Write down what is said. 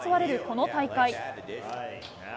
この大会。